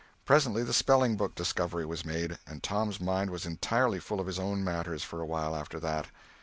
Presently the spelling book discovery was made, and Tom's mind was entirely full of his own matters for a while after that.